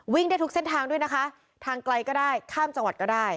ได้ทุกเส้นทางด้วยนะคะทางไกลก็ได้ข้ามจังหวัดก็ได้